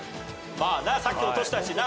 まあなさっき落としたしな。